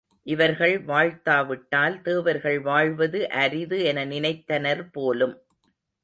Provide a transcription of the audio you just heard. இவர்கள் வாழ்த்தாவிட்டால் தேவர்கள் வாழ்வது அரிது என நினைத்தனர் போலும்.